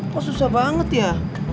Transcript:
kok susah banget ya